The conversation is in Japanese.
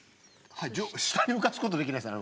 下に浮かすことできないですね。